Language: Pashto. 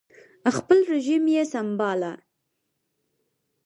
خپل رژیم یې سم باله